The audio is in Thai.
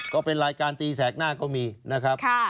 ก็เป็นรายการตีแสกหน้าก็มีนะครับ